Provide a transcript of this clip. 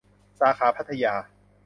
สาขาพัทยา